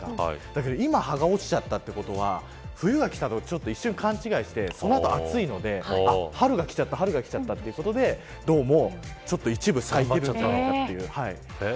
だけど、今葉が落ちちゃったということは冬が来たと一瞬勘違いをしてそのあと暑いので春がきちゃったということでどうも一部咲いちゃったという。